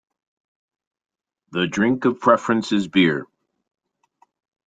The drink of preference is beer.